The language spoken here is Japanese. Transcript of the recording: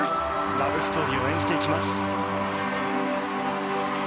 ラブストーリーを演じていきます。